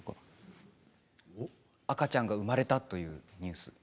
赤ちゃんが生まれたというニュース。